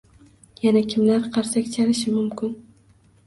Yana kimlar qarsak chalishi mumkin?